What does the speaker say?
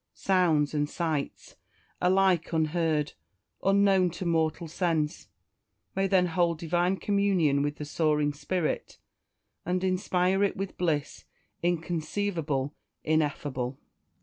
Sounds and sights, alike unheard, unknown to mortal sense, may then hold divine communion with the soaring spirit, and inspire it with bliss inconceivable, ineffable!